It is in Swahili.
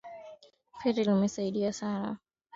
Ferry limesaidia sana